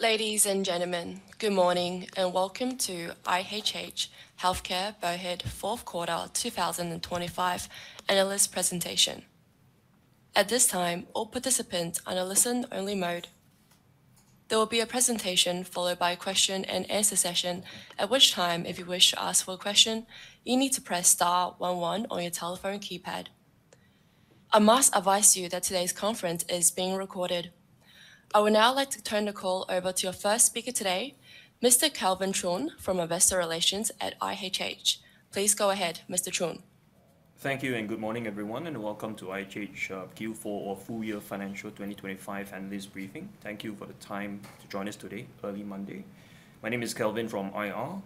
Ladies and gentlemen, good morning and welcome to IHH Healthcare Berhad fourth quarter 2025 analyst presentation. At this time, all participants are in a listen-only mode. There will be a presentation followed by a question-and-answer session. At which time, if you wish to ask for a question, you need to press star one one on your telephone keypad. I must advise you that today's conference is being recorded. I would now like to turn the call over to our first speaker today, Mr. Kelvin Chong from Investor Relations at IHH. Please go ahead, Mr. Chong. Thank you. Good morning, everyone, and welcome to IHH Q4 or full year financial 2025 analyst briefing. Thank you for the time to join us today, early Monday. My name is Kelvin from IR.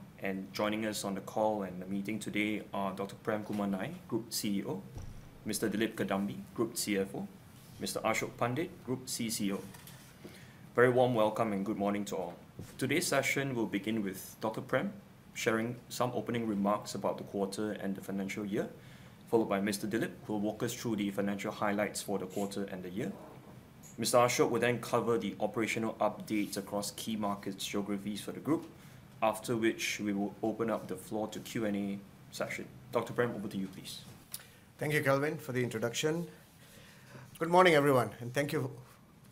Joining us on the call and the meeting today are Dr. Prem Kumar Nair, Group CEO, Mr. Dilip Kadambi, Group CFO, Mr. Ashok Pandit, Group CCO. Very warm welcome and good morning to all. Today's session will begin with Dr. Prem sharing some opening remarks about the quarter and the financial year, followed by Mr. Dilip, who will walk us through the financial highlights for the quarter and the year. Mr. Ashok will cover the operational updates across key market geographies for the group, after which we will open up the floor to Q&A session. Dr. Prem, over to you, please. Thank you, Kelvin, for the introduction. Good morning, everyone. Thank you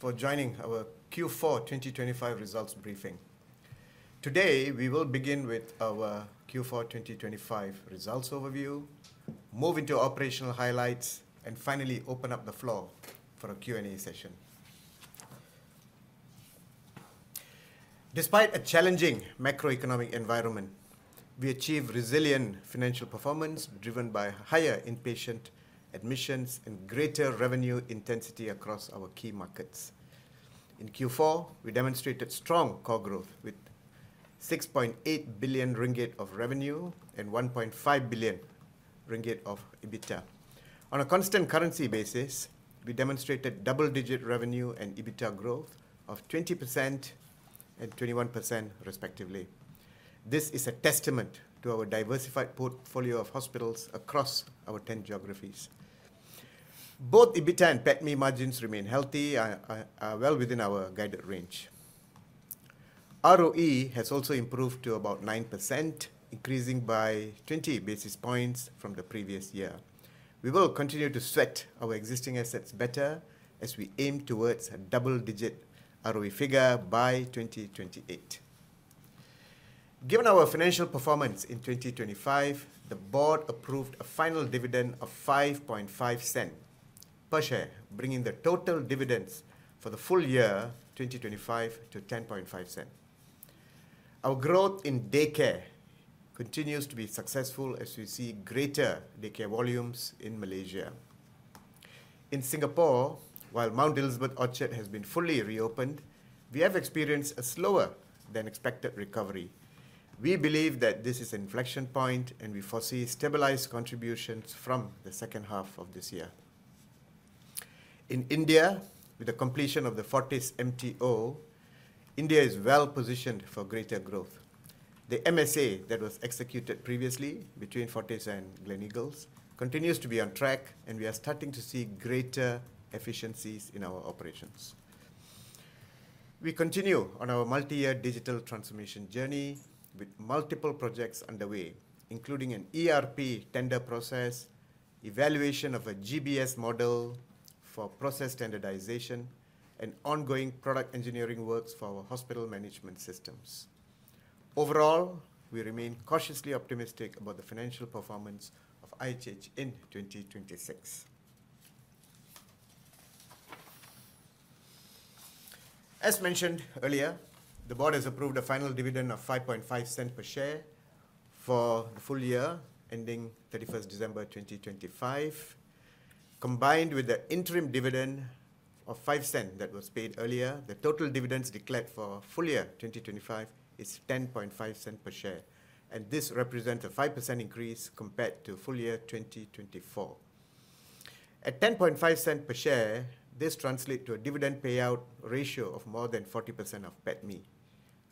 for joining our Q4 2025 results briefing. Today, we will begin with our Q4 2025 results overview, move into operational highlights, and finally open up the floor for a Q&A session. Despite a challenging macroeconomic environment, we achieved resilient financial performance driven by higher inpatient admissions and greater revenue intensity across our key markets. In Q4, we demonstrated strong core growth with 6.8 billion ringgit of revenue and 1.5 billion ringgit of EBITDA. On a constant currency basis, we demonstrated double-digit revenue and EBITDA growth of 20% and 21% respectively. This is a testament to our diversified portfolio of hospitals across our 10 geographies. Both EBITDA and PBTMI margins remain healthy and are well within our guided range. ROE has also improved to about 9%, increasing by 20 basis points from the previous year. We will continue to sweat our existing assets better as we aim towards a double-digit ROE figure by 2028. Given our financial performance in 2025, the board approved a final dividend of 5.5 sen per share, bringing the total dividends for the full year 2025 to 10.5 sen. Our growth in daycare continues to be successful as we see greater daycare volumes in Malaysia. In Singapore, while Mount Elizabeth Orchard has been fully reopened, we have experienced a slower than expected recovery. We believe that this is an inflection point, and we foresee stabilized contributions from the second half of this year. In India, with the completion of the Fortis MTO, India is well-positioned for greater growth. The MSA that was executed previously between Fortis and Gleneagles continues to be on track. We are starting to see greater efficiencies in our operations. We continue on our multi-year digital transformation journey with multiple projects underway, including an ERP tender process, evaluation of a GBS model for process standardization, and ongoing product engineering works for our hospital management systems. Overall, we remain cautiously optimistic about the financial performance of IHH in 2026. As mentioned earlier, the board has approved a final dividend of 0.055 per share for the full year ending 31st December 2025. Combined with the interim dividend of 0.05 that was paid earlier, the total dividends declared for full year 2025 is 0.105 per share. This represents a 5% increase compared to full year 2024. At 0.105 per share, this translates to a dividend payout ratio of more than 40% of PBTMI,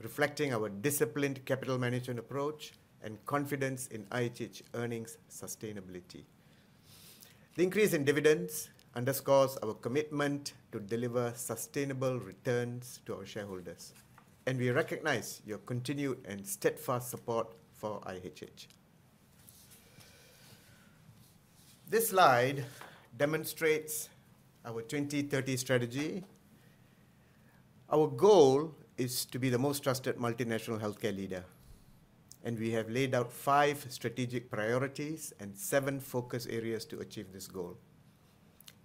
reflecting our disciplined capital management approach and confidence in IHH earnings sustainability. The increase in dividends underscores our commitment to deliver sustainable returns to our shareholders, and we recognize your continued and steadfast support for IHH. This slide demonstrates our 2030 strategy. Our goal is to be the most trusted multinational healthcare leader, and we have laid out five strategic priorities and seven focus areas to achieve this goal.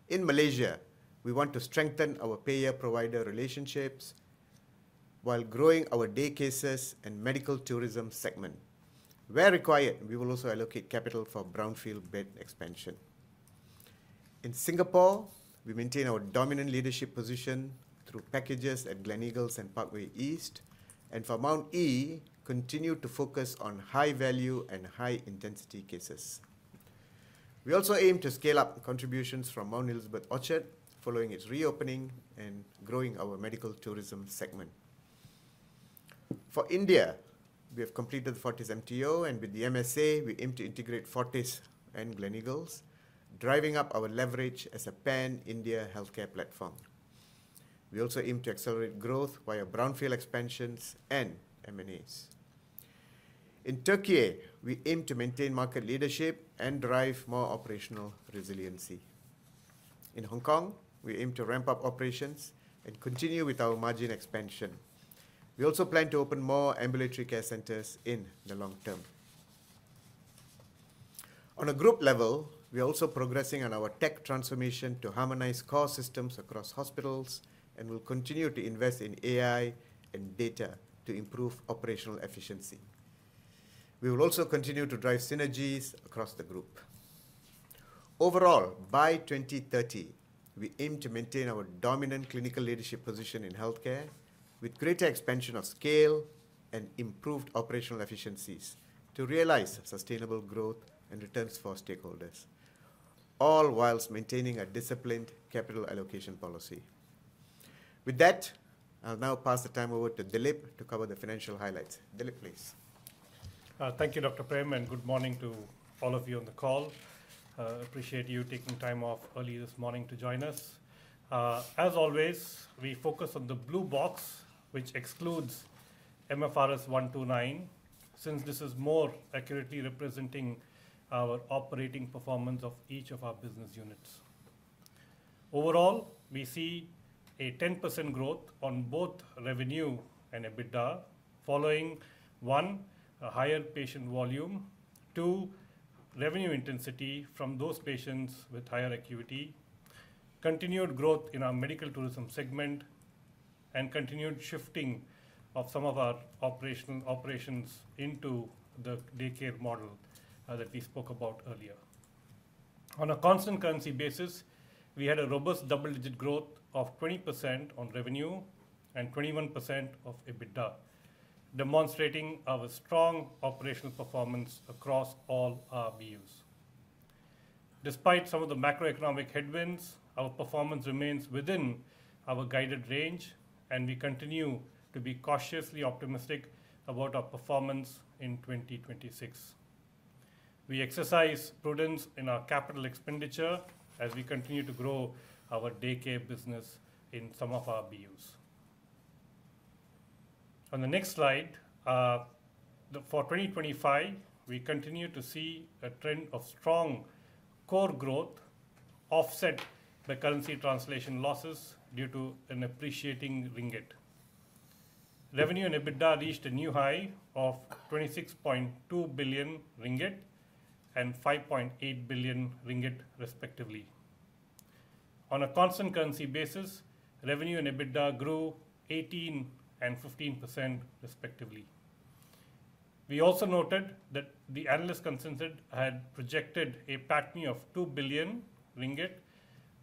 In Malaysia, we want to strengthen our payer-provider relationships while growing our day cases and medical tourism segment. Where required, we will also allocate capital for brownfield bed expansion. In Singapore, we maintain our dominant leadership position through packages at Gleneagles and Parkway East, and for Mount E, continue to focus on high-value and high-intensity cases. We also aim to scale up contributions from Mount Elizabeth Orchard following its reopening and growing our medical tourism segment. For India, we have completed Fortis MTO, and with the MSA, we aim to integrate Fortis and Gleneagles, driving up our leverage as a pan-India healthcare platform. We also aim to accelerate growth via brownfield expansions and M&As. In Türkiye, we aim to maintain market leadership and drive more operational resiliency. In Hong Kong, we aim to ramp up operations and continue with our margin expansion. We also plan to open more Ambulatory Care Centres in the long term. On a group level, we are also progressing on our tech transformation to harmonize core systems across hospitals, and we'll continue to invest in AI and data to improve operational efficiency. We will also continue to drive synergies across the group. Overall, by 2030, we aim to maintain our dominant clinical leadership position in healthcare with greater expansion of scale and improved operational efficiencies to realize sustainable growth and returns for stakeholders, all whilst maintaining a disciplined capital allocation policy. With that, I'll now pass the time over to Dilip to cover the financial highlights. Dilip, please. Thank you, Dr. Prem. Good morning to all of you on the call. Appreciate you taking time off early this morning to join us. As always, we focus on the blue box, which excludes MFRS 129, since this is more accurately representing our operating performance of each of our BUs. Overall, we see a 10% growth on both revenue and EBITDA following; One. a higher patient volume. Two, revenue intensity from those patients with higher acuity. Continued growth in our medical tourism segment, and continued shifting of some of our operational operations into the daycare model that we spoke about earlier. On a constant currency basis, we had a robust double-digit growth of 20% on revenue and 21% of EBITDA, demonstrating our strong operational performance across all our BUs. Despite some of the macroeconomic headwinds, our performance remains within our guided range, and we continue to be cautiously optimistic about our performance in 2026. We exercise prudence in our CapEx as we continue to grow our daycare business in some of our BUs. On the next slide, For 2025, we continue to see a trend of strong core growth offset by currency translation losses due to an appreciating ringgit. Revenue and EBITDA reached a new high of 26.2 billion ringgit and 5.8 billion ringgit respectively. On a constant currency basis, revenue and EBITDA grew 18% and 15% respectively. We also noted that the analyst consensus had projected a PATMI of 2 billion ringgit,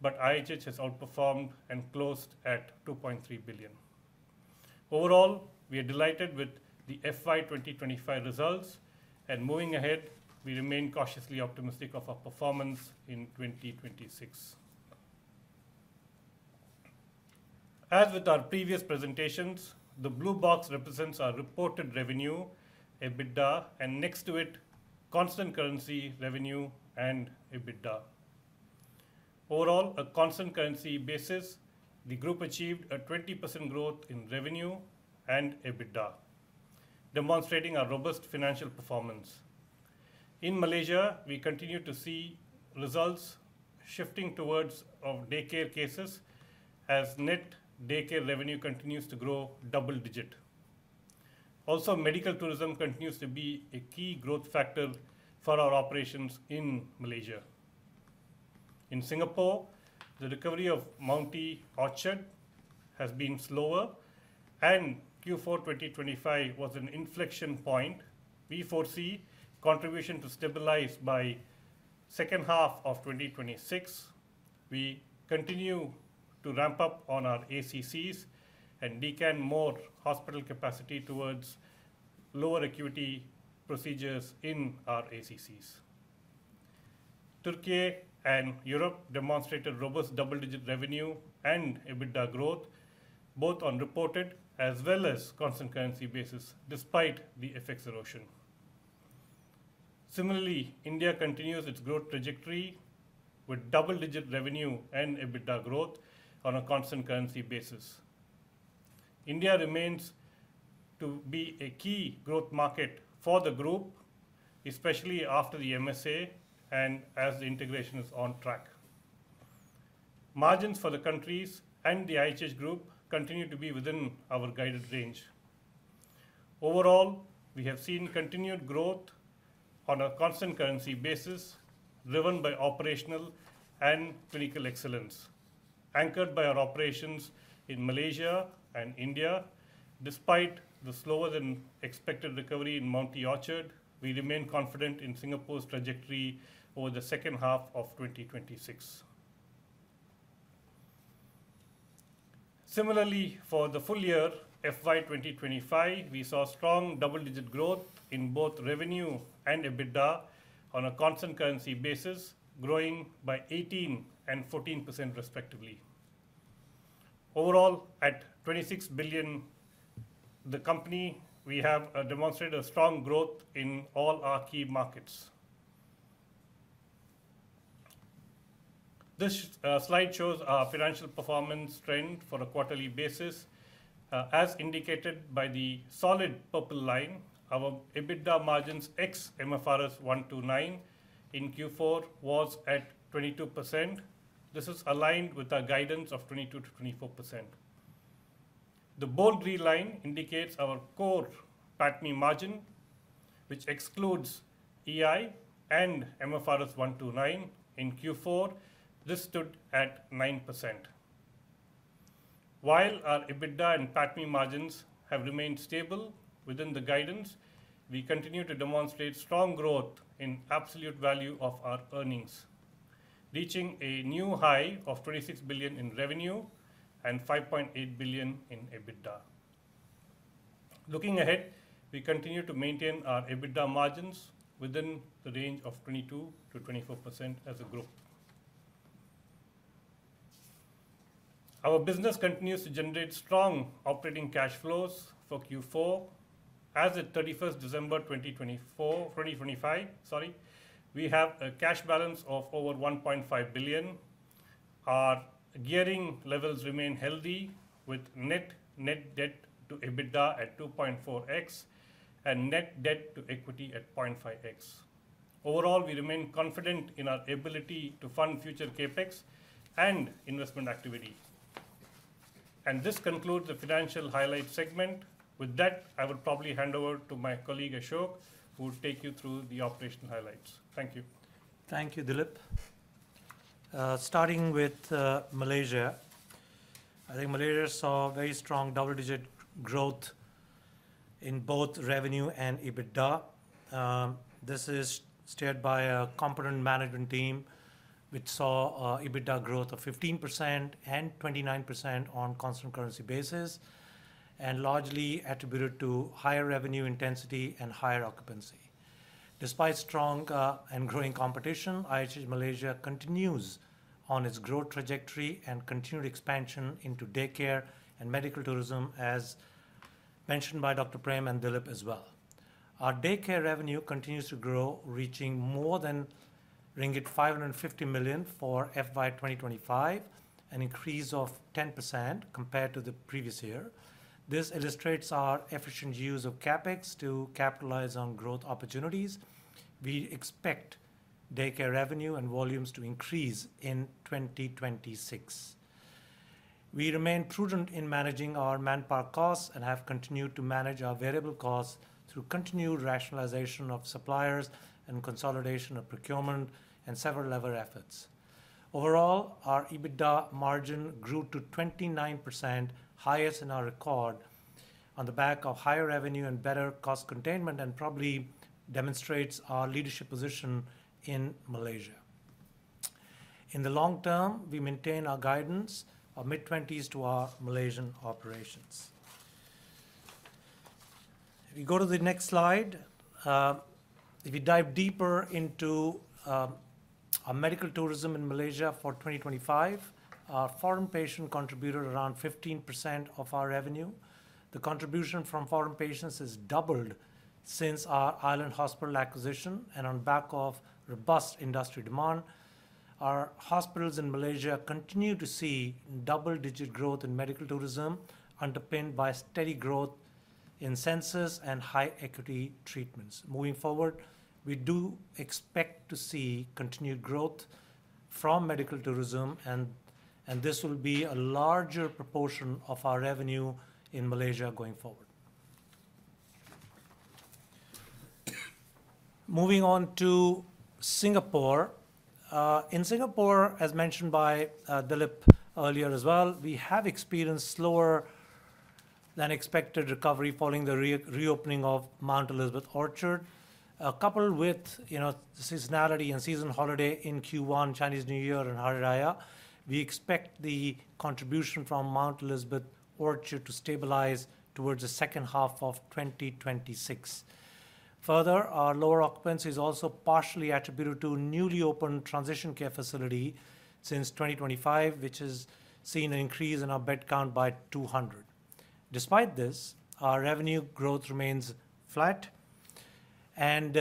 IHH has outperformed and closed at 2.3 billion. Overall, we are delighted with the FY 2025 results. Moving ahead, we remain cautiously optimistic of our performance in 2026. As with our previous presentations, the blue box represents our reported revenue, EBITDA, and next to it, constant currency revenue and EBITDA. Overall, a constant currency basis, the group achieved a 20% growth in revenue and EBITDA, demonstrating a robust financial performance. In Malaysia, we continue to see results shifting towards daycare cases as net daycare revenue continues to grow double digit. Medical tourism continues to be a key growth factor for our operations in Malaysia. In Singapore, the recovery of Mount E Orchard has been slower. Q4 2025 was an inflection point. We foresee contribution to stabilize by second half of 2026. We continue to ramp up on our ACCs and decant more hospital capacity towards lower acuity procedures in our ACCs. Türkiye and Europe demonstrated robust double-digit revenue and EBITDA growth, both on reported as well as constant currency basis despite the FX erosion. Similarly, India continues its growth trajectory with double-digit revenue and EBITDA growth on a constant currency basis. India remains to be a key growth market for the group, especially after the MSA and as the integration is on track. Margins for the countries and the IHH group continue to be within our guided range. Overall, we have seen continued growth on a constant currency basis, driven by operational and clinical excellence, anchored by our operations in Malaysia and India. Despite the slower than expected recovery in Mount E Orchard, we remain confident in Singapore's trajectory over the second half of 2026. Similarly, for the full year FY 2025, we saw strong double-digit growth in both revenue and EBITDA on a constant currency basis, growing by 18% and 14% respectively. Overall, at 26 billion, the company, we have demonstrated a strong growth in all our key markets. This slide shows our financial performance trend for a quarterly basis. As indicated by the solid purple line, our EBITDA margins ex-MFRS 129 in Q4 was at 22%. This is aligned with our guidance of 22%-24%. The bold green line indicates our core PATMI margin, which excludes EI and MFRS 129 in Q4. This stood at 9%. While our EBITDA and PATMI margins have remained stable within the guidance, we continue to demonstrate strong growth in absolute value of our earnings, reaching a new high of 26 billion in revenue and 5.8 billion in EBITDA. Looking ahead, we continue to maintain our EBITDA margins within the range of 22%-24% as a group. Our business continues to generate strong operating cash flows for Q4. As at 31st December 2025, we have a cash balance of over 1.5 billion. Our gearing levels remain healthy with net debt to EBITDA at 2.4x and net debt to equity at 0.5x. This concludes the financial highlights segment. With that, I will probably hand over to my colleague, Ashok, who will take you through the operational highlights. Thank you. Thank you, Dilip. Starting with Malaysia. I think Malaysia saw very strong double-digit growth in both revenue and EBITDA. This is steered by a competent management team, which saw EBITDA growth of 15% and 29% on constant currency basis, and largely attributed to higher revenue intensity and higher occupancy. Despite strong and growing competition, IHH Malaysia continues on its growth trajectory and continued expansion into daycare and medical tourism, as mentioned by Dr. Prem and Dilip as well. Our daycare revenue continues to grow, reaching more than ringgit 550 million for FY 2025, an increase of 10% compared to the previous year. This illustrates our efficient use of CapEx to capitalize on growth opportunities. We expect daycare revenue and volumes to increase in 2026. We remain prudent in managing our manpower costs and have continued to manage our variable costs through continued rationalization of suppliers and consolidation of procurement and several level efforts. Overall, our EBITDA margin grew to 29%, highest in our record, on the back of higher revenue and better cost containment and probably demonstrates our leadership position in Malaysia. In the long term, we maintain our guidance of mid-20s to our Malaysian operations. If you go to the next slide. If you dive deeper into our medical tourism in Malaysia for 2025, our foreign patient contributed around 15% of our revenue. The contribution from foreign patients has doubled since our Island Hospital acquisition. On back of robust industry demand, our hospitals in Malaysia continue to see double-digit growth in medical tourism, underpinned by steady growth in census and high acuity treatments. Moving forward, we do expect to see continued growth from medical tourism, and this will be a larger proportion of our revenue in Malaysia going forward. Moving on to Singapore. In Singapore, as mentioned by Dilip earlier as well, we have experienced slower than expected recovery following the reopening of Mount Elizabeth Orchard. Coupled with, you know, seasonality and season holiday in Q1, Chinese New Year and Hari Raya, we expect the contribution from Mount Elizabeth Orchard to stabilize towards the second half of 2026. Further, our lower occupancy is also partially attributed to newly opened transition care facility since 2025, which has seen an increase in our bed count by 200. Despite this, our revenue growth remains flat, and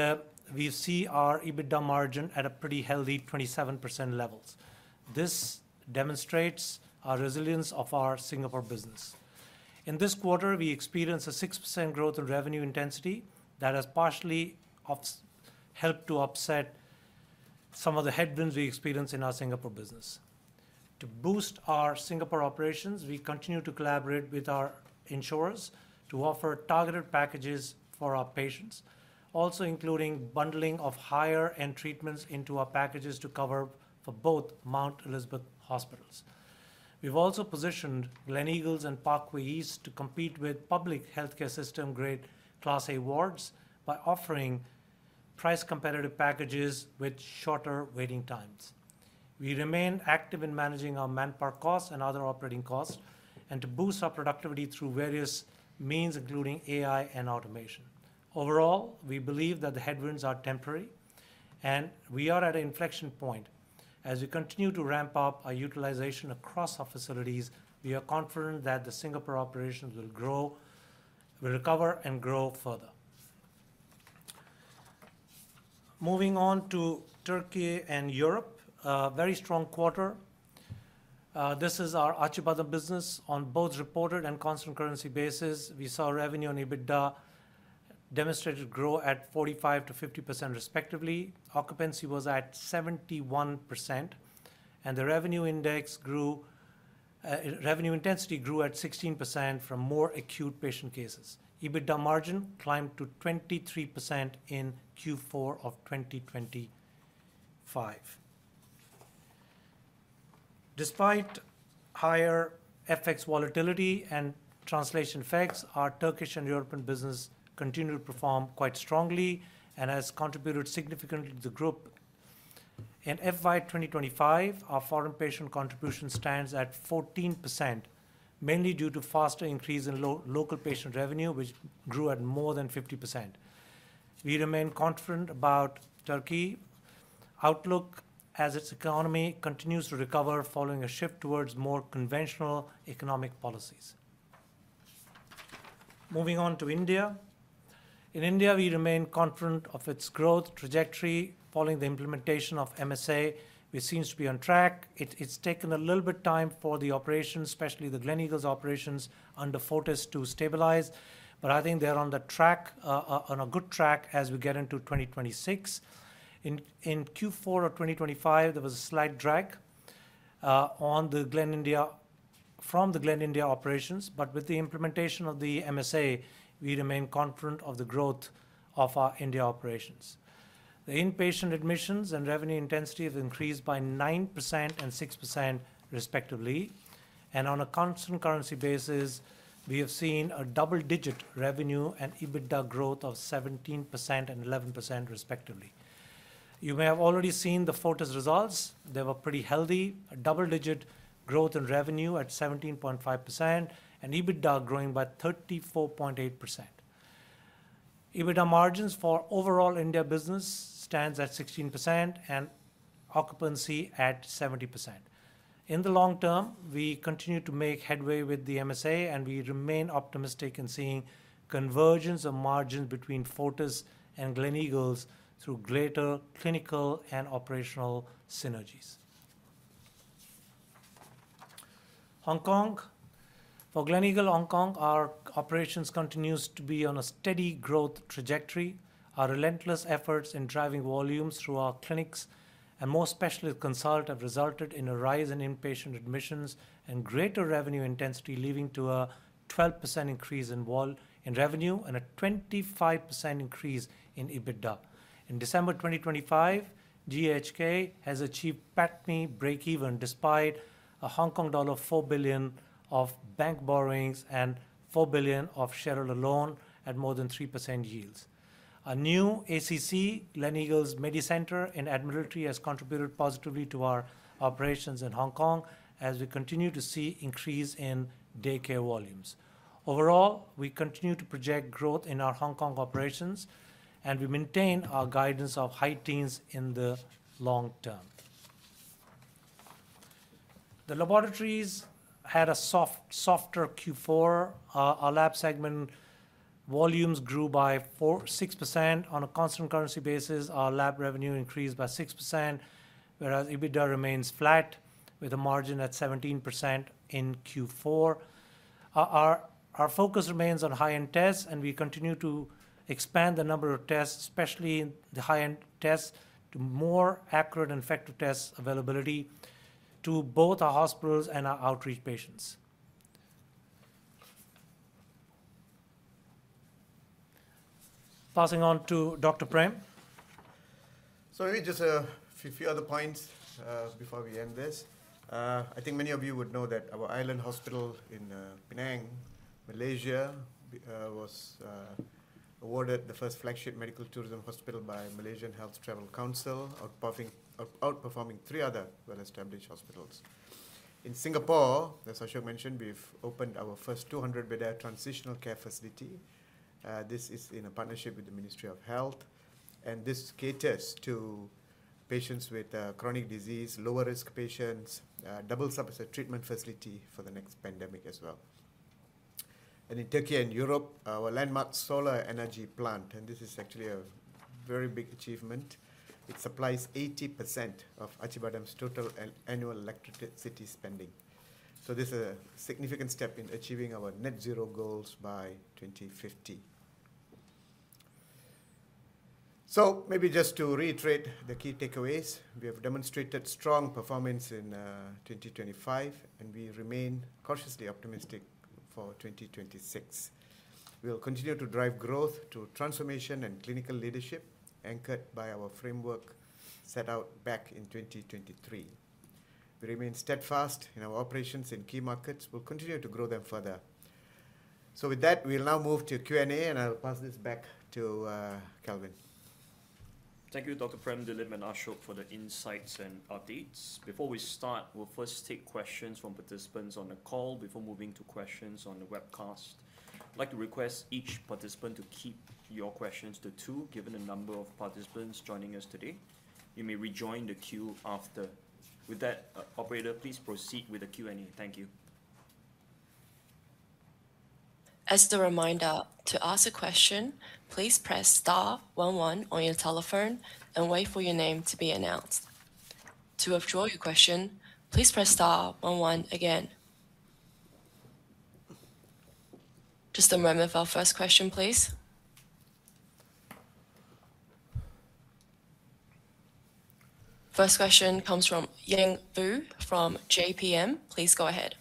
we see our EBITDA margin at a pretty healthy 27% levels. This demonstrates our resilience of our Singapore business. In this quarter, we experienced a 6% growth in revenue intensity that has partially helped to offset some of the headwinds we experienced in our Singapore business. To boost our Singapore operations, we continue to collaborate with our insurers to offer targeted packages for our patients. Also including bundling of higher-end treatments into our packages to cover for both Mount Elizabeth hospitals. We've also positioned Gleneagles and Parkway East to compete with public healthcare system grade Class A wards by offering price competitive packages with shorter waiting times. We remain active in managing our manpower costs and other operating costs and to boost our productivity through various means, including AI and automation. Overall, we believe that the headwinds are temporary. We are at an inflection point. As we continue to ramp up our utilization across our facilities, we are confident that the Singapore operations will recover and grow further. Moving on to Turkey and Europe, a very strong quarter. This is our Acıbadem business. On both reported and constant currency basis, we saw revenue and EBITDA demonstrated growth at 45%-50% respectively. Occupancy was at 71%, and revenue intensity grew at 16% from more acute patient cases. EBITDA margin climbed to 23% in Q4 of 2025. Despite higher FX volatility and translation effects, our Turkish and European business continue to perform quite strongly and has contributed significantly to the group. In FY 2025, our foreign patient contribution stands at 14%, mainly due to faster increase in local patient revenue, which grew at more than 50%. We remain confident about Türkiye outlook as its economy continues to recover following a shift towards more conventional economic policies. Moving on to India. In India, we remain confident of its growth trajectory following the implementation of MSA, which seems to be on track. It's taken a little bit time for the operations, especially the Gleneagles operations under Fortis to stabilize, but I think they're on a good track as we get into 2026. In Q4 of 2025, there was a slight drag from the Gleneagles India operations. With the implementation of the MSA, we remain confident of the growth of our India operations. The inpatient admissions and revenue intensity have increased by 9% and 6% respectively. On a constant currency basis, we have seen a double-digit revenue and EBITDA growth of 17% and 11% respectively. You may have already seen the Fortis results. They were pretty healthy. A double-digit growth in revenue at 17.5% and EBITDA growing by 34.8%. EBITDA margins for overall India business stands at 16% and occupancy at 70%. In the long term, we continue to make headway with the MSA, and we remain optimistic in seeing convergence of margins between Fortis and Gleneagles through greater clinical and operational synergies. Hong Kong. For Gleneagles Hong Kong, our operations continues to be on a steady growth trajectory. Our relentless efforts in driving volumes through our clinics and more specialist consult have resulted in a rise in inpatient admissions and greater revenue intensity, leading to a 12% increase in revenue and a 25% increase in EBITDA. In December 2025, GHK has achieved PATMI breakeven despite a 4 billion Hong Kong dollar of bank borrowings and 4 billion of shareholder loan at more than 3% yields. A new ACC, Gleneagles MediCentre in Admiralty, has contributed positively to our operations in Hong Kong as we continue to see increase in daycare volumes. Overall, we continue to project growth in our Hong Kong operations, and we maintain our guidance of high teens in the long term. The laboratories had a softer Q4. Our lab segment volumes grew by 4%-6%. On a constant currency basis, our lab revenue increased by 6%, whereas EBITDA remains flat with a margin at 17% in Q4. Our focus remains on high-end tests, we continue to expand the number of tests, especially in the high-end tests, to more accurate and effective tests availability to both our hospitals and our outreach patients. Passing on to Dr. Prem. Maybe just a few other points before we end this. I think many of you would know that our Island Hospital in Penang, Malaysia, was awarded the first flagship medical tourism hospital by Malaysia Healthcare Travel Council, outperforming three other well-established hospitals. In Singapore, as Ashok mentioned, we've opened our first 200-bed transitional care facility. This is in a partnership with the Ministry of Health, this caters to patients with chronic disease, lower-risk patients, doubles up as a treatment facility for the next pandemic as well. In Turkey and Europe, our landmark solar energy plant, this is actually a very big achievement. It supplies 80% of Acıbadem's total annual electricity spending. This is a significant step in achieving our net zero goals by 2050. Maybe just to reiterate the key takeaways. We have demonstrated strong performance in 2025, and we remain cautiously optimistic for 2026. We will continue to drive growth through transformation and clinical leadership anchored by our framework set out back in 2023. We remain steadfast in our operations in key markets. We'll continue to grow them further. With that, we'll now move to Q&A, and I'll pass this back to Kelvin. Thank you, Dr. Prem, Dilip, and Ashok for the insights and updates. Before we start, we'll first take questions from participants on the call before moving to questions on the webcast. I'd like to request each participant to keep your questions to two, given the number of participants joining us today. You may rejoin the queue after. With that, operator, please proceed with the Q&A. Thank you. As the reminder, to ask a question, please press star one one on your telephone and wait for your name to be announced. To withdraw your question, please press star one one again. Just a moment for our first question, please. First question comes from Ian Hui from JPMorgan. Please go ahead.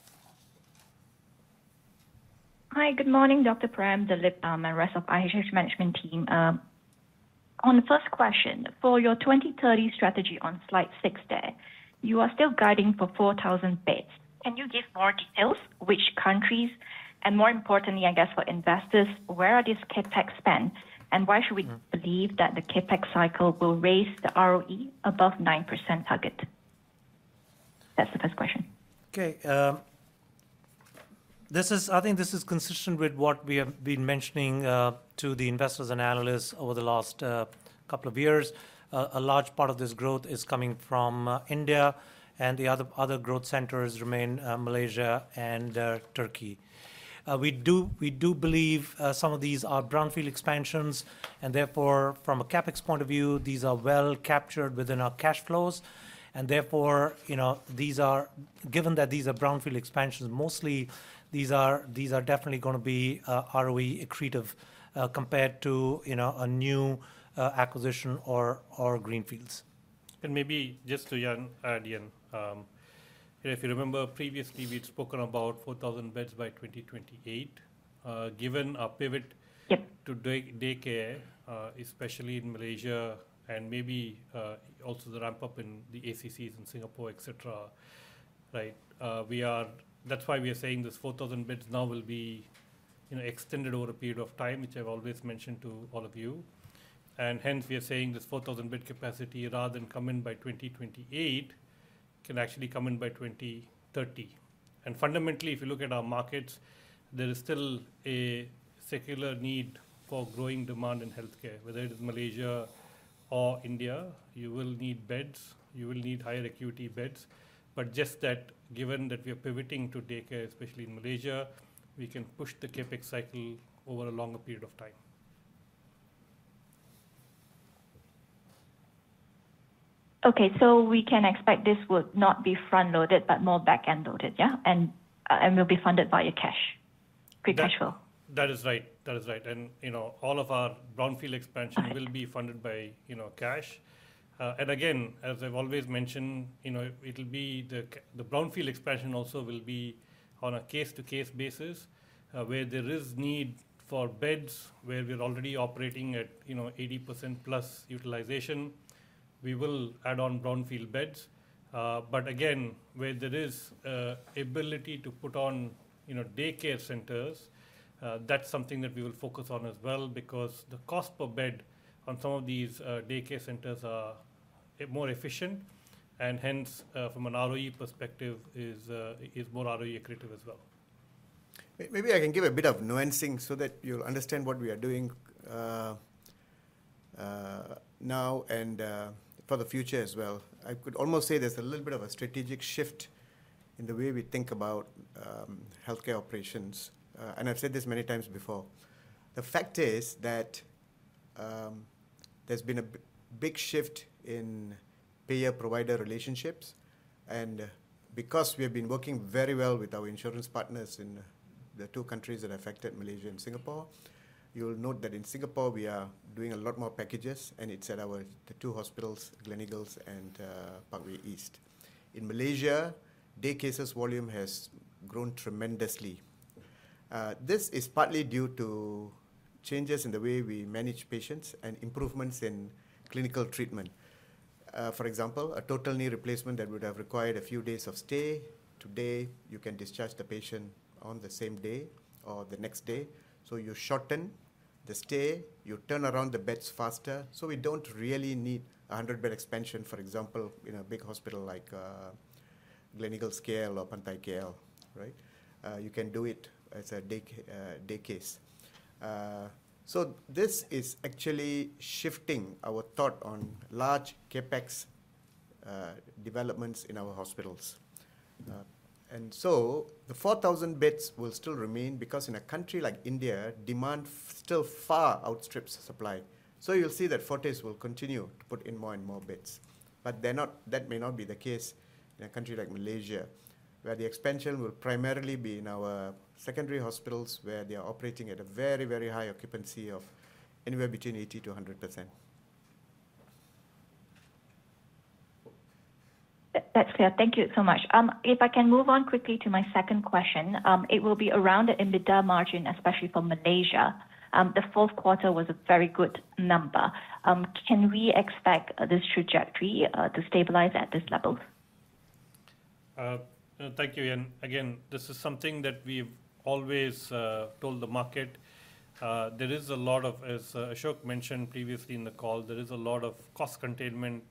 Hi. Good morning, Dr. Prem, Dilip, and rest of IHH Management team. On the first question, for your 2030 strategy on slide 6 there, you are still guiding for 4,000 beds. Can you give more details which countries, and more importantly, I guess, for investors, where are these CapEx spent, and why should we believe that the CapEx cycle will raise the ROE above 9% target? That's the first question. Okay. I think this is consistent with what we have been mentioning to the investors and analysts over the last couple of years. A large part of this growth is coming from India and the other growth centers remain Malaysia and Türkiye. We do believe some of these are brownfield expansions. Therefore, from a CapEx point of view, these are well captured within our cash flows. Therefore, you know, given that these are brownfield expansions, mostly these are definitely gonna be ROE accretive compared to, you know, a new acquisition or greenfields. maybe just to Yan, if you remember previously we'd spoken about 4,000 beds by 2028. Yep. to day care, especially in Malaysia and maybe, also the ramp-up in the ACCs in Singapore, et cetera, right? That's why we are saying this 4,000 beds now will be, you know, extended over a period of time, which I've always mentioned to all of you. Hence, we are saying this 4,000 bed capacity rather than come in by 2028 can actually come in by 2030. Fundamentally, if you look at our markets, there is still a secular need for growing demand in healthcare, whether it is Malaysia or India. You will need beds, you will need higher acuity beds. Just that given that we are pivoting to day care, especially in Malaysia, we can push the CapEx cycle over a longer period of time. We can expect this would not be front-loaded, but more back-end loaded, yeah? Will be funded by your That- -free cash flow. That is right. That is right. You know, all of our brownfield expansion will be funded by, you know, cash. Again, as I've always mentioned, you know, it'll be the brownfield expansion also will be on a case to case basis, where there is need for beds where we're already operating at, you know, 80% plus utilization, we will add on brownfield beds. Again, where there is, ability to put on, you know, day care centers, that's something that we will focus on as well because the cost per bed on some of these, day care centers are, more efficient and hence, from an ROE perspective is more ROE accretive as well. Maybe I can give a bit of nuancing so that you'll understand what we are doing now and for the future as well. I could almost say there's a little bit of a strategic shift in the way we think about healthcare operations. I've said this many times before. The fact is that there's been a big shift in payer-provider relationships. Because we have been working very well with our insurance partners in the two countries that are affected, Malaysia and Singapore, you'll note that in Singapore we are doing a lot more packages and it's at our, the two hospitals, Gleneagles and Parkway East. In Malaysia, day cases volume has grown tremendously. This is partly due to changes in the way we manage patients and improvements in clinical treatment. For example, a total knee replacement that would have required a few days of stay, today you can discharge the patient on the same day or the next day. You shorten the stay, you turn around the beds faster. We don't really need a 100 bed expansion, for example, in a big hospital like Gleneagles KL or Pantai KL, right? You can do it as a day case. This is actually shifting our thought on large CapEx developments in our hospitals. The 4,000 beds will still remain because in a country like India, demand still far outstrips supply. You'll see that Fortis will continue to put in more and more beds. They're not... That may not be the case in a country like Malaysia, where the expansion will primarily be in our secondary hospitals where they are operating at a very, very high occupancy of anywhere between 80%-100%. That's clear. Thank you so much. If I can move on quickly to my second question, it will be around the EBITDA margin, especially for Malaysia. The fourth quarter was a very good number. Can we expect this trajectory to stabilize at this level? Thank you. Again, this is something that we've always told the market. As Ashok mentioned previously in the call, there is a lot of cost containment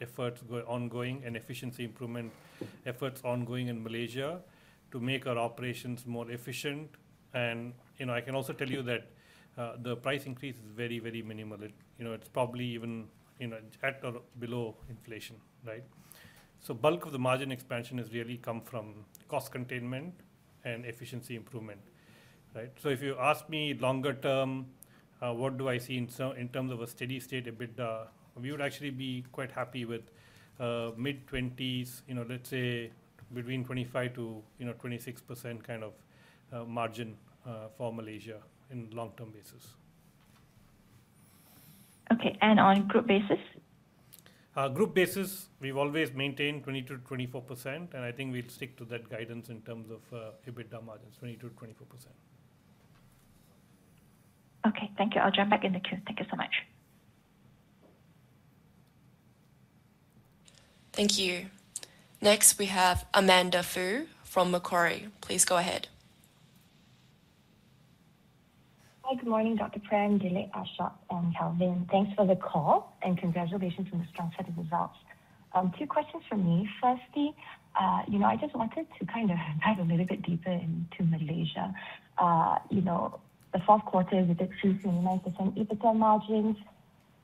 efforts ongoing and efficiency improvement efforts ongoing in Malaysia to make our operations more efficient. You know, I can also tell you that the price increase is very, very minimal. You know, it's probably even, you know, at or below inflation, right. Bulk of the margin expansion has really come from cost containment and efficiency improvement, right. If you ask me longer term, what do I see in terms of a steady state EBITDA, we would actually be quite happy with mid-20s, you know, let's say between 25% to, you know, 26% kind of margin for Malaysia in long-term basis. Okay. On group basis? Group basis, we've always maintained 20%-24%, and I think we'll stick to that guidance in terms of EBITDA margins, 20%-24%. Okay. Thank you. I'll jump back in the queue. Thank you so much. Thank you. Next we have Amanda Foo from Macquarie. Please go ahead. Hi. Good morning, Dr. Prem, Dilip, Ashok, and Kelvin. Thanks for the call, and congratulations on the strong set of results. Two questions from me. Firstly, you know, I just wanted to kind of dive a little bit deeper into Malaysia. You know, the fourth quarter we did see 29% EBITDA margins,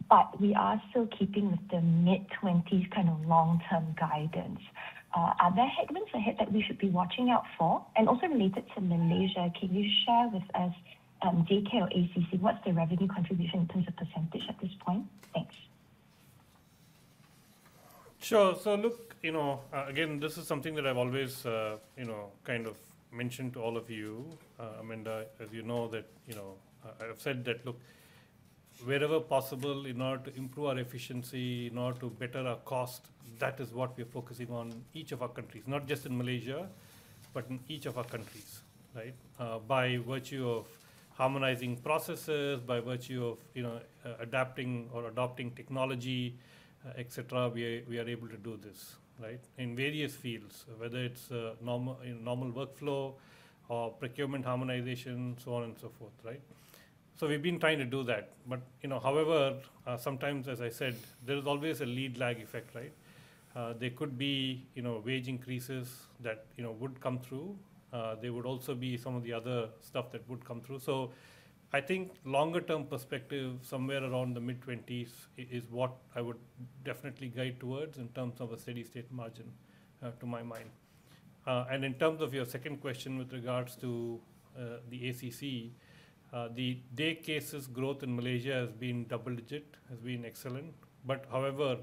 but we are still keeping with the mid-twenties kind of long-term guidance. Are there headwinds ahead that we should be watching out for? Also related to Malaysia, can you share with us, daycare or ACC, what's the revenue contribution in terms of % at this point? Thanks. Sure. Look, you know, again, this is something that I've always, you know, kind of mentioned to all of you. Amanda Foo, as you know that, you know, I've said that, look, wherever possible in order to improve our efficiency, in order to better our cost, that is what we're focusing on each of our countries, not just in Malaysia, but in each of our countries, right? By virtue of harmonizing processes, by virtue of, you know, adapting or adopting technology, et cetera, we are able to do this, right? In various fields, whether it's in normal workflow or procurement harmonization, so on and so forth, right? We've been trying to do that. You know, however, sometimes, as I said, there is always a lead lag effect, right? There could be, you know, wage increases that, you know, would come through. There would also be some of the other stuff that would come through. I think longer term perspective, somewhere around the mid-20s is what I would definitely guide towards in terms of a steady state margin to my mind. In terms of your second question with regards to the ACC, the day cases growth in Malaysia has been double-digit, has been excellent. However,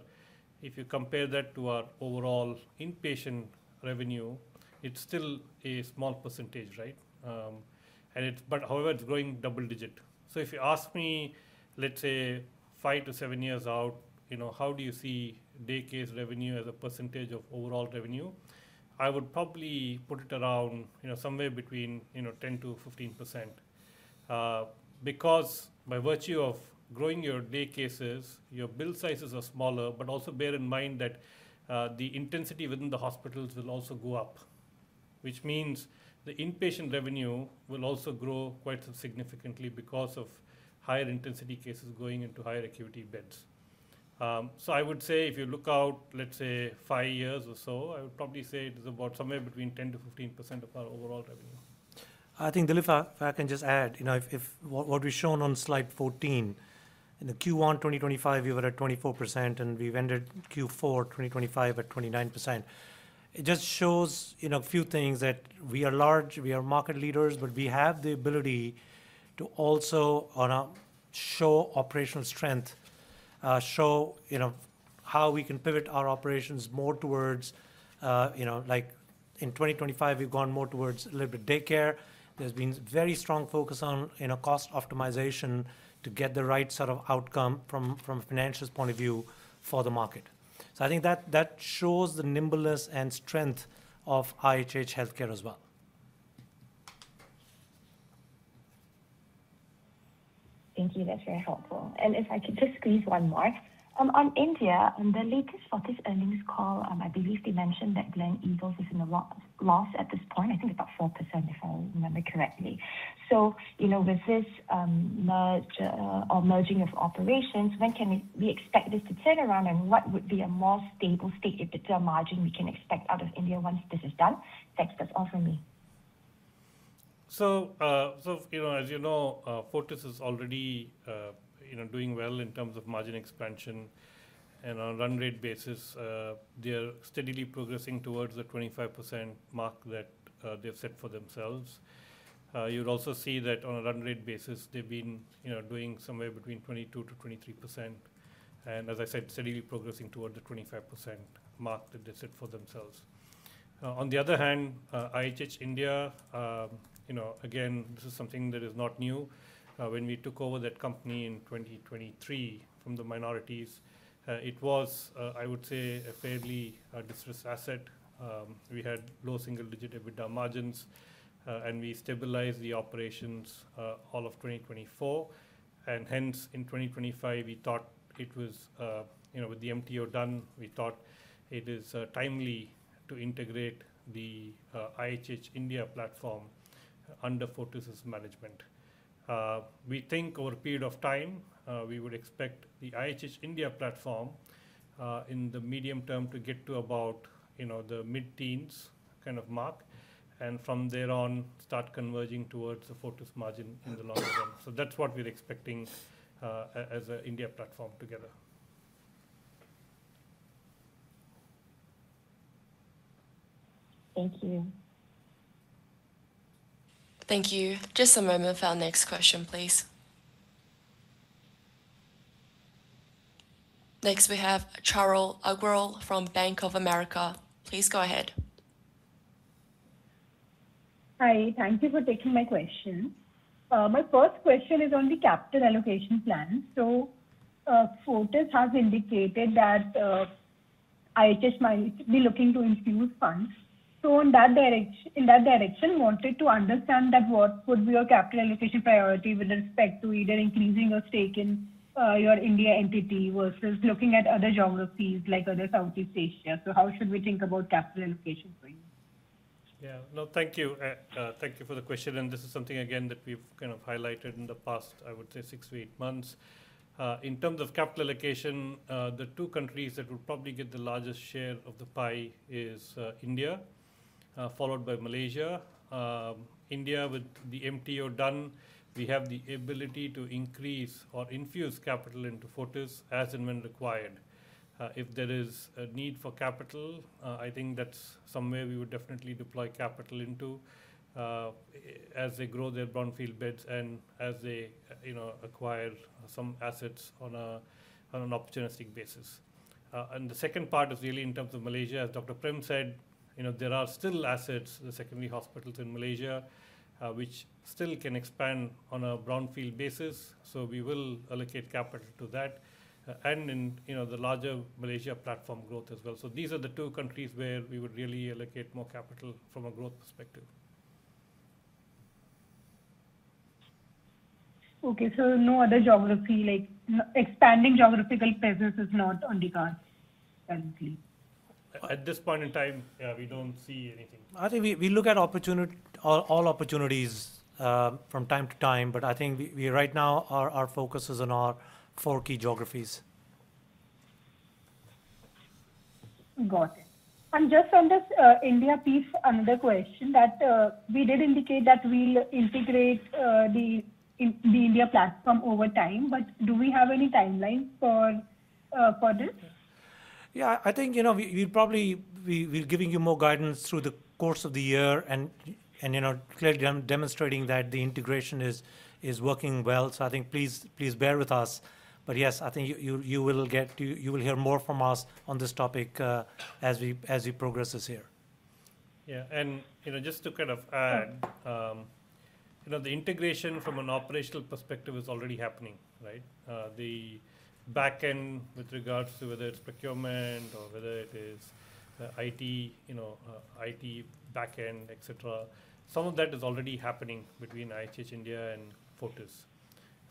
if you compare that to our overall inpatient revenue, it's still a small %, right? However, it's growing double-digit. If you ask me, let's say five to seven years out, you know, how do you see day case revenue as a percentage of overall revenue, I would probably put it around, you know, somewhere between, you know, 10%-15%. Because by virtue of growing your day cases, your bill sizes are smaller, but also bear in mind that the intensity within the hospitals will also go up, which means the inpatient revenue will also grow quite significantly because of higher intensity cases going into higher acuity beds. So I would say if you look out, let's say five years or so, I would probably say it is about somewhere between 10%-15% of our overall revenue. I think, Dilip, if I can just add. You know, if what we've shown on slide 14, in the Q1 2025 you were at 24%, and we've ended Q4 2025 at 29%. It just shows, you know, a few things that we are large, we are market leaders, but we have the ability to also on a show operational strength. show, you know, how we can pivot our operations more towards, you know, like in 2025, we've gone more towards a little bit daycare. There's been very strong focus on, you know, cost optimization to get the right sort of outcome from a financial point of view for the market. I think that shows the nimbleness and strength of IHH Healthcare as well. Thank you. That's very helpful. If I could just squeeze one more. On India, on the latest Fortis earnings call, I believe they mentioned that Gleneagles is in a loss at this point, I think about 4%, if I remember correctly. you know, with this merge or merging of operations, when can we expect this to turn around, and what would be a more stable state EBITDA margin we can expect out of India once this is done? Thanks. That's all from me. you know, as you know, Fortis is already doing well in terms of margin expansion. On a run rate basis, they are steadily progressing towards the 25% mark that they've set for themselves. you'd also see that on a run rate basis they've been, you know, doing somewhere between 22%-23% and, as I said, steadily progressing toward the 25% mark that they've set for themselves. On the other hand, IHH India, you know, again, this is something that is not new. When we took over that company in 2023 from the minorities, it was, I would say a fairly distressed asset. We had low single-digit EBITDA margins, and we stabilized the operations, all of 2024. Hence, in 2025, we thought it was, you know, with the MTO done, we thought it is timely to integrate the IHH India platform under Fortis' management. We think over a period of time, we would expect the IHH India platform in the medium term to get to about, you know, the mid-teens kind of mark, and from there on start converging towards the Fortis margin in the long run. That's what we're expecting as a India platform together. Thank you. Thank you. Just a moment for our next question, please. We have Charul Agrawal from Bank of America. Please go ahead. Hi. Thank you for taking my question. My first question is on the capital allocation plan. Fortis has indicated that IHH might be looking to infuse funds. In that direction, wanted to understand that what would be your capital allocation priority with respect to either increasing your stake in your India entity versus looking at other geographies like other Southeast Asia. How should we think about capital allocation for you? Yeah. No, thank you. Thank you for the question. This is something again that we've kind of highlighted in the past, I would say six-eight months. In terms of capital allocation, the two countries that would probably get the largest share of the pie is India, followed by Malaysia. India with the MTO done, we have the ability to increase or infuse capital into Fortis as and when required. If there is a need for capital, I think that's somewhere we would definitely deploy capital into, as they grow their brownfield beds and as they, you know, acquire some assets on an opportunistic basis. The second part is really in terms of Malaysia, as Dr. Prem said, you know, there are still assets, the secondary hospitals in Malaysia, which still can expand on a brownfield basis, so we will allocate capital to that, and in, you know, the larger Malaysia platform growth as well. These are the two countries where we would really allocate more capital from a growth perspective. Okay. No other geography, like expanding geographical presence is not on the cards currently? At this point in time, yeah, we don't see anything. I think we look at all opportunities from time to time, I think we right now our focus is on our four key geographies. Got it. Just on this, India piece, another question that, Dilip indicate that we'll integrate, the India platform over time, but do we have any timeline for this? Yeah. I think, you know, we probably we're giving you more guidance through the course of the year and, you know, clearly demonstrating that the integration is working well. I think please bear with us. Yes, I think you will get... you will hear more from us on this topic as it progresses here. Yeah. You know, just to kind of add, you know, the integration from an operational perspective is already happening, right? The back end with regards to whether it's procurement or whether it is IT, you know, IT back end, et cetera, some of that is already happening between IHH India and Fortis.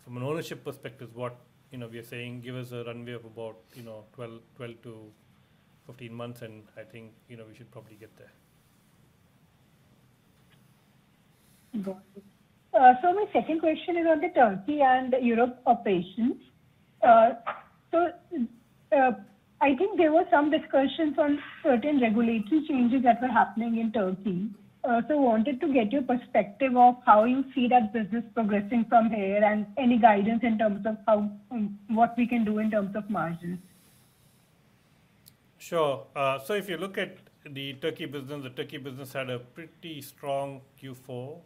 From an ownership perspective, what, you know, we are saying give us a runway of about, you know, 12-15 months, and I think, you know, we should probably get there. Got it. My second question is on the Türkiye and Europe operations. I think there were some discussions on certain regulatory changes that were happening in Türkiye. Wanted to get your perspective of how you see that business progressing from here and any guidance in terms of how, what we can do in terms of margins. Sure. So if you look at the Türkiye business, the Türkiye business had a pretty strong Q4.